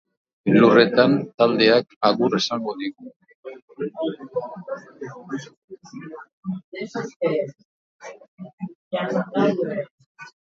Elurretan taldeak agur esango digu.